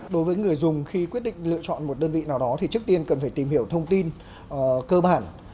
đối với người dùng khi quyết định lựa chọn một đơn vị nào đó thì trước tiên cần phải tìm hiểu thông tin cơ bản